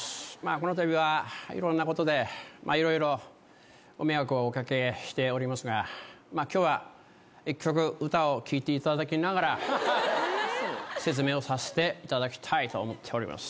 このたびはいろんなことで色々ご迷惑をお掛けしておりますが今日は１曲歌を聴いていただきながら説明をさせていただきたいと思っております。